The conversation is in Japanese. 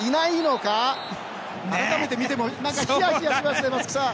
改めて見ても、ひやひやしますね松木さん。